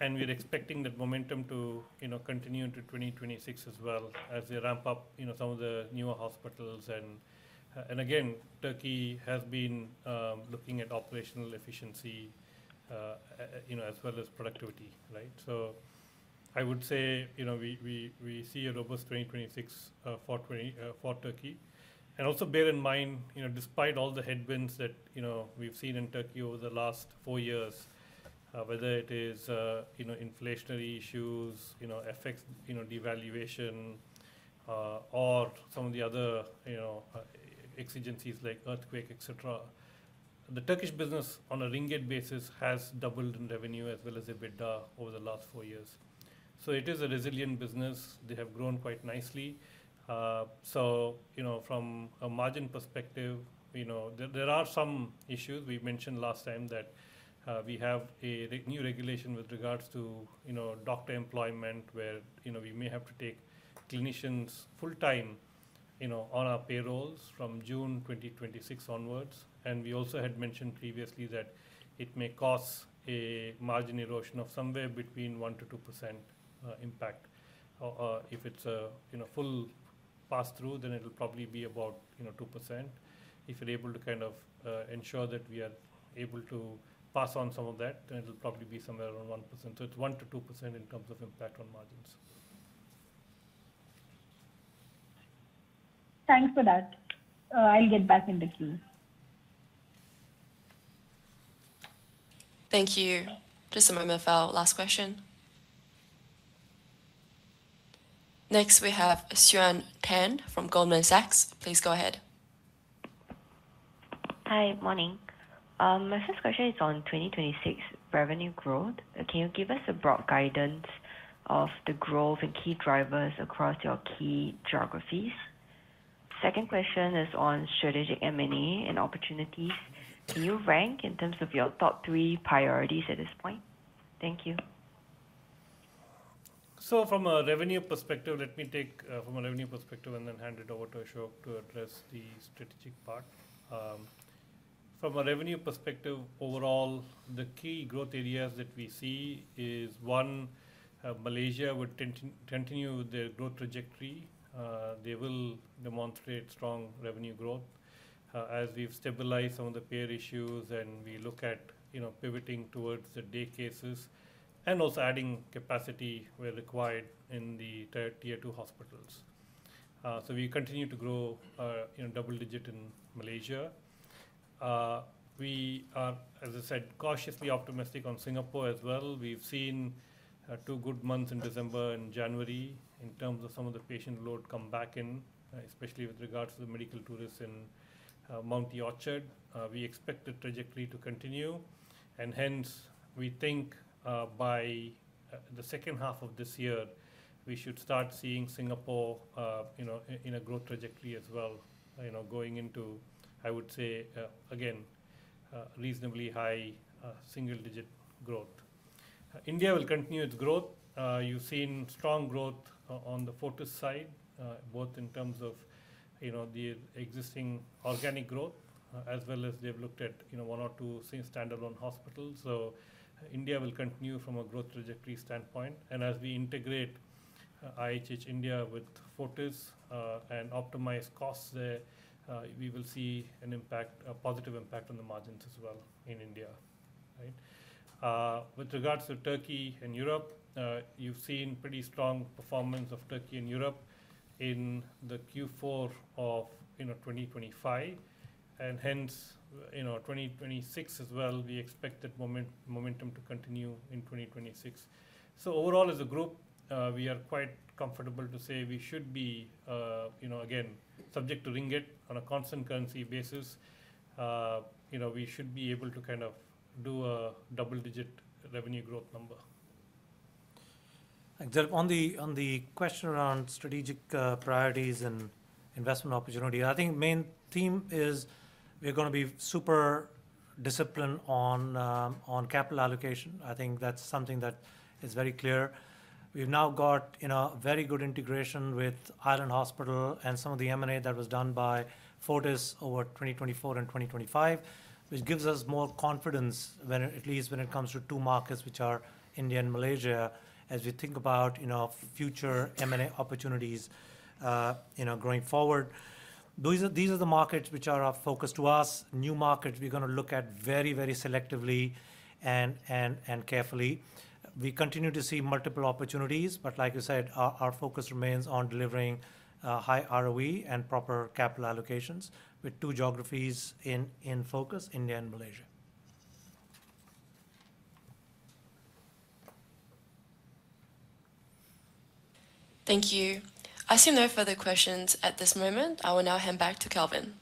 We're expecting that momentum to, you know, continue into 2026 as well as we ramp up, you know, some of the newer hospitals. Again, Türkiye has been looking at operational efficiency, you know, as well as productivity, right? I would say, you know, we, we see a robust 2026 for Türkiye. Also bear in mind, you know, despite all the headwinds that, you know, we've seen in Türkiye over the last four years, whether it is, you know, inflationary issues, you know, FX, you know, devaluation, or some of the other, you know, exigencies like earthquake, et cetera, the Turkish business on a MYR basis has doubled in revenue as well as EBITDA over the last four years. It is a resilient business. They have grown quite nicely. From a margin perspective, you know, there are some issues. We mentioned last time that, we have a re-new regulation with regards to, you know, doctor employment, where, you know, we may have to take clinicians full-time, you know, on our payrolls from June 2026 onwards. We also had mentioned previously that it may cause a margin erosion of somewhere between 1%-2% impact. If it's a, you know, full pass-through, then it'll probably be about, you know, 2%. If we're able to kind of ensure that we are able to pass on some of that, then it'll probably be somewhere around 1%. It's 1%-2% in terms of impact on margins. Thanks for that. I'll get back in the queue. Thank you. Just a moment for our last question. Next, we have Xuan Tan from Goldman Sachs. Please go ahead. Hi. Morning. My first question is on 2026 revenue growth. Can you give us a broad guidance of the growth and key drivers across your key geographies? Second question is on strategic M&A and opportunities. Can you rank in terms of your top three priorities at this point? Thank you. From a revenue perspective, let me take from a revenue perspective and then hand it over to Ashok to address the strategic part. From a revenue perspective, overall, the key growth areas that we see is one, Malaysia would continue their growth trajectory. They will demonstrate strong revenue growth as we've stabilized some of the payer issues and we look at, you know, pivoting towards the day cases and also adding capacity where required in the tier two hospitals. We continue to grow, you know, double-digit in Malaysia. We are, as I said, cautiously optimistic on Singapore as well. We've seen two good months in December and January in terms of some of the patient load come back in, especially with regards to the medical tourists in Mount Elizabeth. We expect the trajectory to continue, hence we think, by the second half of this year, we should start seeing Singapore, you know, in a growth trajectory as well, you know, going into, I would say, again, reasonably high, single-digit growth. India will continue its growth. You've seen strong growth on the Fortis side, both in terms of, you know, the existing organic growth, as well as they've looked at, you know, one or two standalone hospitals. India will continue from a growth trajectory standpoint. As we integrate, IHH India with Fortis, and optimize costs there, we will see an impact, a positive impact on the margins as well in India. Right? With regards to Türkiye and Europe, you've seen pretty strong performance of Türkiye and Europe in the Q4 of 2025 and hence, 2026 as well, we expect that momentum to continue in 2026. Overall as a group, we are quite comfortable to say we should be, again, subject to ringgit on a constant currency basis, we should be able to kind of do a double-digit revenue growth number. Then on the question around strategic priorities and investment opportunity, I think main theme is we're gonna be super disciplined on capital allocation. I think that's something that is very clear. We've now got, you know, very good integration with Island Hospital and some of the M&A that was done by Fortis over 2024 and 2025, which gives us more confidence when it, at least when it comes to two markets, which are India and Malaysia, as we think about, you know, future M&A opportunities, you know, going forward. These are the markets which are of focus to us. New markets we're gonna look at very, very selectively and, and carefully. We continue to see multiple opportunities, but like I said, our focus remains on delivering high ROE and proper capital allocations with two geographies in focus, India and Malaysia. Thank you. I see no further questions at this moment. I will now hand back to Kelvin.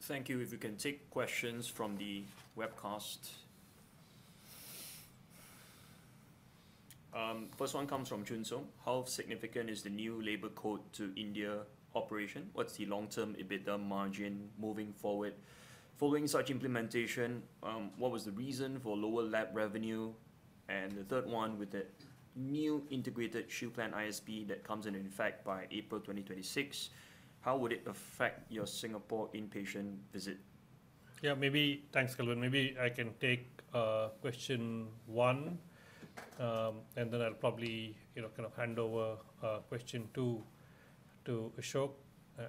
Thank you. If you can take questions from the webcast. First one comes from Junseong. How significant is the new labor code to India operation? What's the long-term EBITDA margin moving forward? Following such implementation, what was the reason for lower lab revenue? The third one, with the new Integrated Shield Plan ISP that comes into effect by April 2026, how would it affect your Singapore inpatient visit? Yeah. Maybe... Thanks, Kelvin. Maybe I can take question one, and then I'll probably, you know, kind of hand over question two to Ashok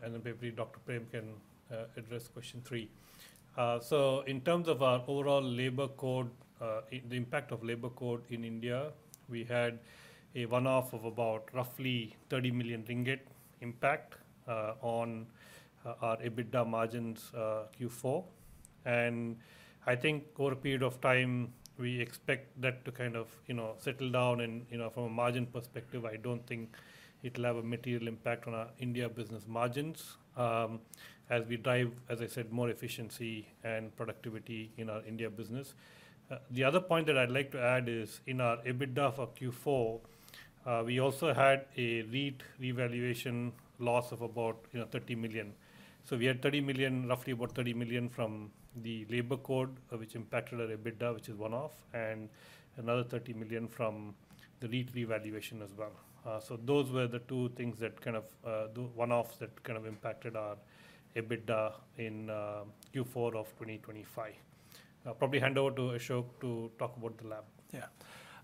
and then maybe Dr. Prem can address question three. In terms of our overall labor code, the impact of labor code in India, we had a one-off of about roughly 30 million ringgit impact on our EBITDA margins, Q4. I think over a period of time we expect that to kind of, you know, settle down and, you know, from a margin perspective, I don't think it'll have a material impact on our India business margins, as we drive, as I said, more efficiency and productivity in our India business. The other point that I'd like to add is in our EBITDA for Q4, we also had a REIT revaluation loss of about, you know, 30 million. We had 30 million, roughly about 30 million from the labor code, which impacted our EBITDA, which is one-off, and another 30 million from the REIT revaluation as well. Those were the two things that kind of, the one-offs that kind of impacted our EBITDA in Q4 of 2025. I'll probably hand over to Ashok to talk about the lab.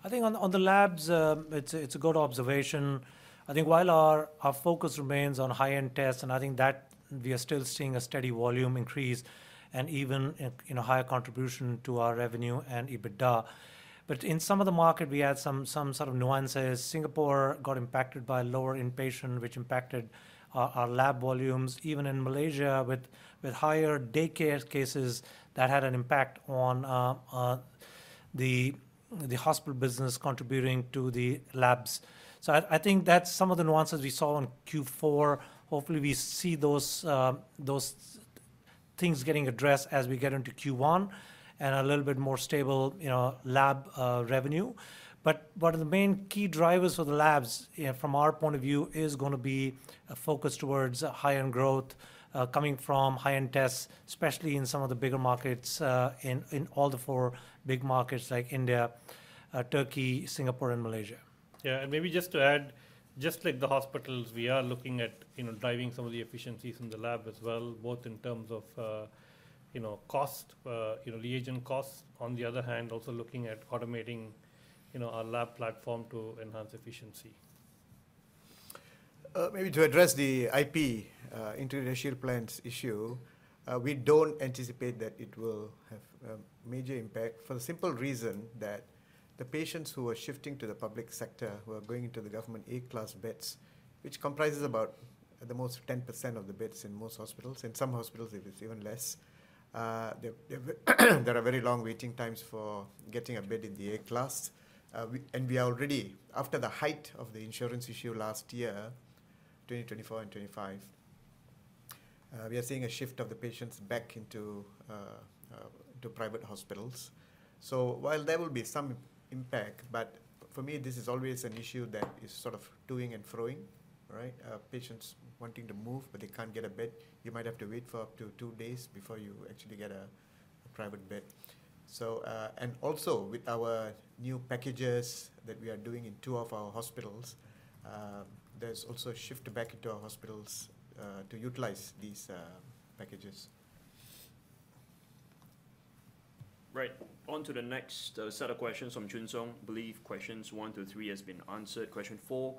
I think on the labs, it's a good observation. I think while our focus remains on high-end tests, and I think that we are still seeing a steady volume increase and even, you know, higher contribution to our revenue and EBITDA. In some of the market we had some sort of nuances. Singapore got impacted by lower inpatient, which impacted our lab volumes. Even in Malaysia with higher daycare cases that had an impact on the hospital business contributing to the labs. I think that's some of the nuances we saw on Q4. Hopefully we see those things getting addressed as we get into Q1 and a little bit more stable, you know, lab revenue. One of the main key drivers for the labs, you know, from our point of view, is gonna be a focus towards high-end growth, coming from high-end tests, especially in some of the bigger markets, in all the four big markets like India, Türkiye, Singapore and Malaysia. Yeah. Maybe just to add, just like the hospitals, we are looking at, you know, driving some of the efficiencies in the lab as well, both in terms of, you know, cost, you know, reagent costs. On the other hand, also looking at automating, you know, our lab platform to enhance efficiency. Maybe to address the IP, Integrated Shield Plans issue, we don't anticipate that it will have a major impact for the simple reason that the patients who are shifting to the public sector, who are going into the government A class beds, which comprises about, at the most, 10% of the beds in most hospitals. In some hospitals it is even less. There are very long waiting times for getting a bed in the A class. We are already, after the height of the insurance issue last year, 2020, 2021 and 2025, we are seeing a shift of the patients back into private hospitals. While there will be some impact, but for me, this is always an issue that is sort of to-ing and fro-ing, right? Patients wanting to move but they can't get a bed. You might have to wait for up to two days before you actually get a private bed. Also with our new packages that we are doing in two of our hospitals, there's also a shift back into our hospitals to utilize these packages. Right. On to the next set of questions from Jun Song. Believe questions one-three has been answered. Question four: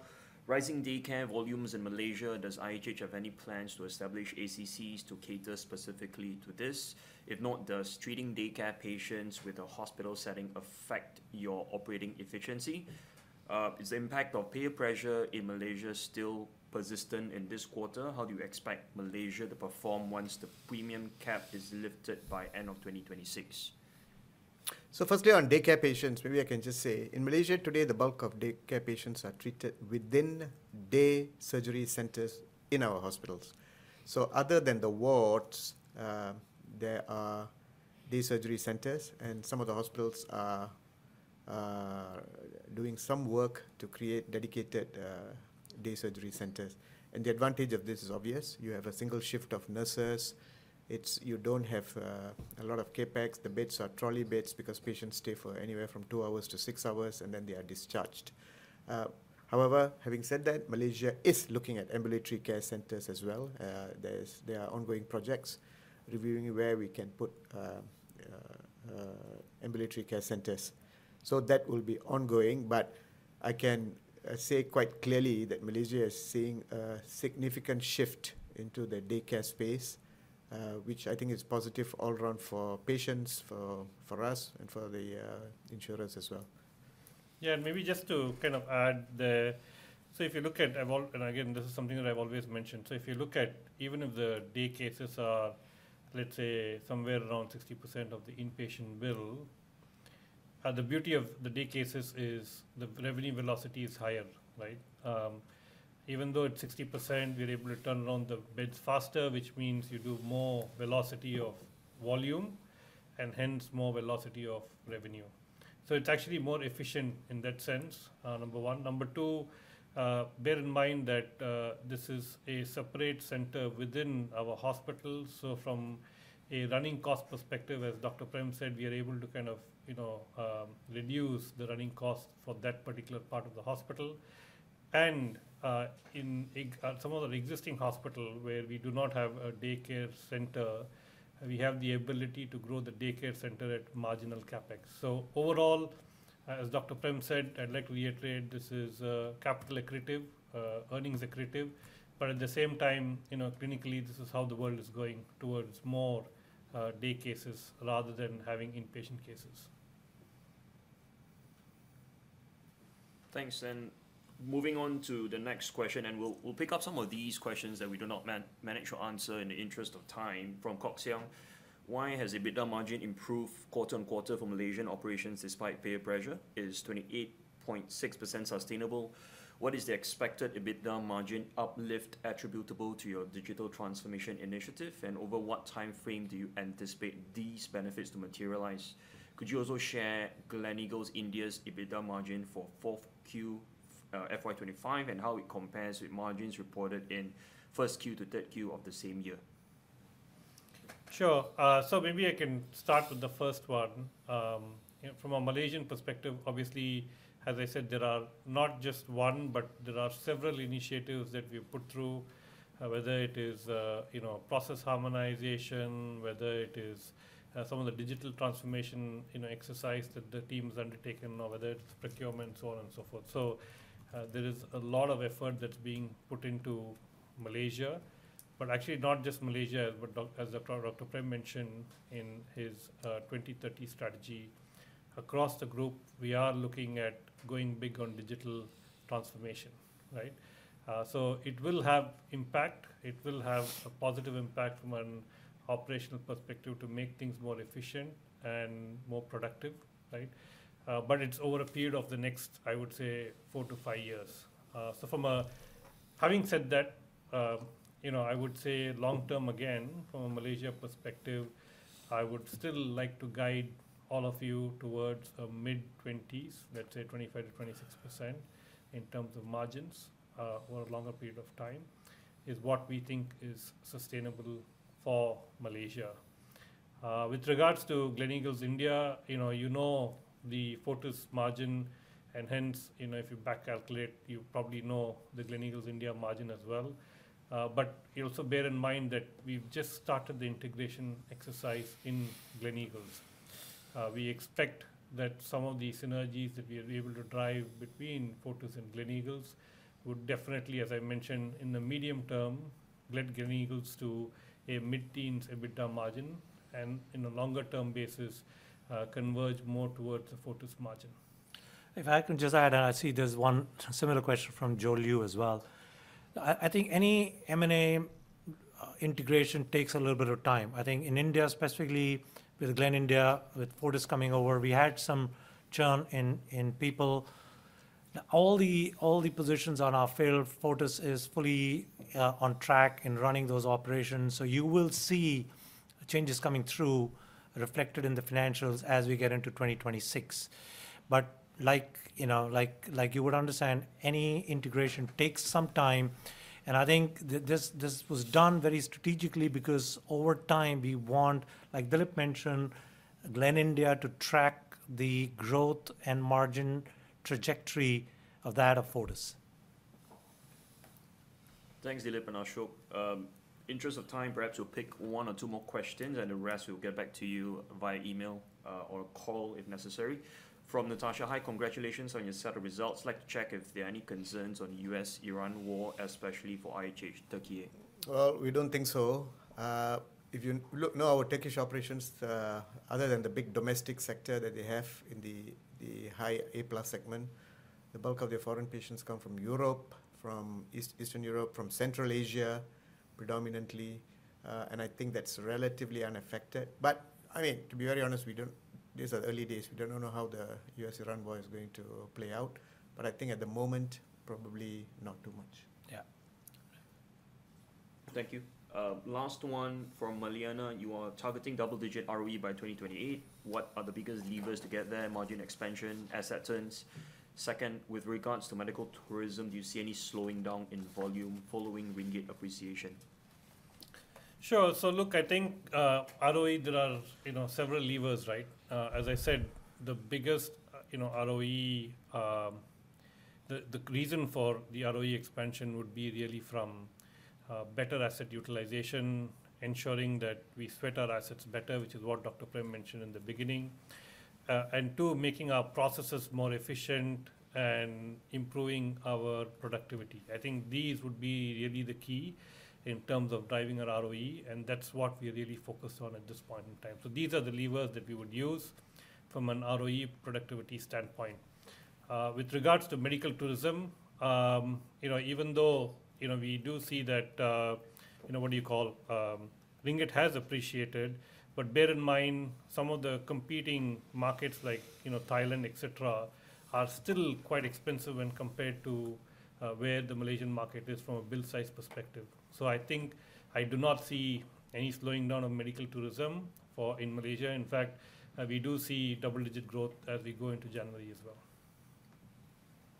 Rising daycare volumes in Malaysia, does IHH have any plans to establish ACCs to cater specifically to this? If not, does treating daycare patients with a hospital setting affect your operating efficiency? Is the impact of peer pressure in Malaysia still persistent in this quarter? How do you expect Malaysia to perform once the premium cap is lifted by end of 2026? Firstly, on daycare patients, maybe I can just say, in Malaysia today, the bulk of daycare patients are treated within day surgery centers in our hospitals. Other than the wards, there are day surgery centers, and some of the hospitals are doing some work to create dedicated day surgery centers. The advantage of this is obvious. You don't have a lot of CapEx. The beds are trolley beds because patients stay for anywhere from two hours to six hours, and then they are discharged. However, having said that, Malaysia is looking at Ambulatory Care Centres as well. There are ongoing projects reviewing where we can put Ambulatory Care Centres. That will be ongoing. I can say quite clearly that Malaysia is seeing a significant shift into the daycare space, which I think is positive all around for patients, for us, and for the insurance as well. Yeah. Maybe just to kind of add there. Again, this is something that I've always mentioned. If you look at even if the day cases are, let's say, somewhere around 60% of the inpatient bill, the beauty of the day cases is the revenue velocity is higher, right? Even though it's 60%, we're able to turn around the beds faster, which means you do more velocity of volume and hence more velocity of revenue. It's actually more efficient in that sense, number one. Number two, bear in mind that this is a separate center within our hospital. From a running cost perspective, as Dr. Prem said, we are able to kind of, you know, reduce the running cost for that particular part of the hospital. In some of the existing hospital where we do not have a daycare center, we have the ability to grow the daycare center at marginal CapEx. Overall, as Dr. Prem said, I'd like to reiterate, this is capital accretive, earnings accretive. At the same time, you know, clinically, this is how the world is going towards more day cases rather than having inpatient cases. Thanks. Moving on to the next question, we'll pick up some of these questions that we do not man-manage to answer in the interest of time. From Kok Xiang: Why has EBITDA margin improved quarter-on-quarter from Malaysian operations despite peer pressure? Is 28.6% sustainable? What is the expected EBITDA margin uplift attributable to your digital transformation initiative? Over what timeframe do you anticipate these benefits to materialize? Could you also share Gleneagles India's EBITDA margin for fourth Q, FY 2025, and how it compares with margins reported in first Q to third Q of the same year? Sure. Maybe I can start with the first one. You know, from a Malaysian perspective, obviously, as I said, there are not just one, but there are several initiatives that we've put through. Whether it is, you know, process harmonization, whether it is, some of the digital transformation, you know, exercise that the team's undertaken, or whether it's procurement, so on and so forth. There is a lot of effort that's being put into Malaysia. Actually not just Malaysia, but as Dr. Prem mentioned in his 2030 strategy, across the group, we are looking at going big on digital transformation, right? It will have impact. It will have a positive impact from an operational perspective to make things more efficient and more productive, right? It's over a period of the next, I would say, four-five years. Having said that, you know, I would say long term, again, from a Malaysia perspective, I would still like to guide all of you towards a mid-twenties, let's say 25%-26% in terms of margins, over a longer period of time, is what we think is sustainable for Malaysia. With regards to Gleneagles India, you know, you know the Fortis margin, and hence, you know, if you back calculate, you probably know the Gleneagles India margin as well. Bear in mind that we've just started the integration exercise in Gleneagles. We expect that some of the synergies that we are able to drive between Fortis and Gleneagles would definitely, as I mentioned, in the medium term, lead Gleneagles to a mid-teens EBITDA margin, and in a longer-term basis, converge more towards the Fortis margin. If I can just add, I see there's one similar question from Joe Liu as well. I think any M&A integration takes a little bit of time. I think in India specifically with Glen India, with Fortis coming over, we had some churn in people. All the positions on our field, Fortis is fully on track in running those operations, so you will see changes coming through reflected in the financials as we get into 2026. Like, you know, like you would understand, any integration takes some time, and I think this was done very strategically because over time we want, like Dilip mentioned, Glen India to track the growth and margin trajectory of that of Fortis. Thanks, Dilip and Ashok. interest of time, perhaps we'll pick one or more questions, and the rest we'll get back to you via email or call if necessary. From Natasha: "Hi, congratulations on your set of results. I'd like to check if there are any concerns on the U.S.-Iran war, especially for IHH Türkiye. Well, we don't think so. If you look now at Turkish operations, other than the big domestic sector that they have in the high A-plus segment, the bulk of their foreign patients come from Europe, from East-Eastern Europe, from Central Asia predominantly, and I think that's relatively unaffected. I mean; to be very honest, these are early days. We don't know how the U.S.-Iran war is going to play out. I think at the moment, probably not too much. Yeah. Thank you. Last one from Maliana: "You are targeting double-digit ROE by 2028. What are the biggest levers to get there? Margin expansion? Asset turns? Second, with regards to medical tourism, do you see any slowing down in volume following ringgit appreciation? Sure. Look, I think ROE there are, you know, several levers, right? As I said, the biggest, you know, ROE. The reason for the ROE expansion would be really from better asset utilization, ensuring that we sweat our assets better, which is what Dr. Prem mentioned in the beginning, and two, making our processes more efficient and improving our productivity. I think these would be really the key in terms of driving our ROE, and that's what we're really focused on at this point in time. These are the levers that we would use from an ROE productivity standpoint. With regards to medical tourism, you know, even though, you know, we do see that, you know, what do you call? Ringgit has appreciated, bear in mind, some of the competing markets like, you know, Thailand, et cetera, are still quite expensive when compared to where the Malaysian market is from a bill size perspective. I think I do not see any slowing down of medical tourism for in Malaysia. We do see double-digit growth as we go into January as well.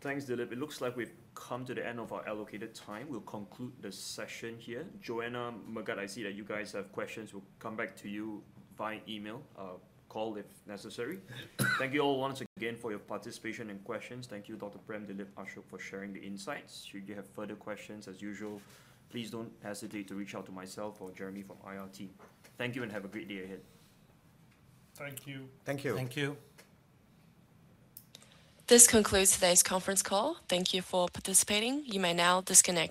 Thanks, Dilip. It looks like we've come to the end of our allocated time. We'll conclude the session here. Joanna, Magad, I see that you guys have questions. We'll come back to you via email, call if necessary. Thank you all once again for your participation and questions. Thank you, Dr. Prem, Dilip, Ashok, for sharing the insights. Should you have further questions, as usual, please don't hesitate to reach out to myself or Jeremy from IRT. Thank you and have a great day ahead. Thank you. Thank you. Thank you. This concludes today's conference call. Thank you for participating. You may now disconnect.